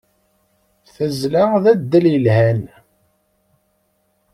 Tazzla d addal yelhan.